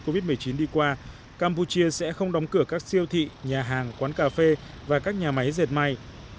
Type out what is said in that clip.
trong khi dịch covid một mươi chín đi qua campuchia sẽ không đóng cửa các siêu thị nhà hàng quán cà phê và các nhà máy dệt may